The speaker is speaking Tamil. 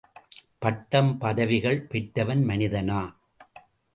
பட்டம், பதவிகள் பெற்றவன் மனிதனா?